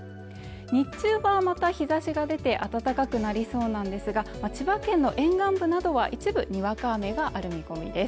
日中はまた日差しが出て暖かくなりそうなんですが千葉県の沿岸部などは一部にわか雨がある見込みです